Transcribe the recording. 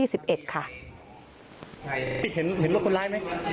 ดูยังไงดูหน่อย